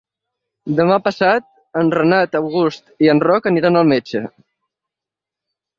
Demà passat en Renat August i en Roc aniran al metge.